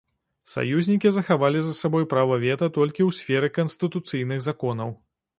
Саюзнікі захавалі за сабой права вета толькі ў сферы канстытуцыйных законаў.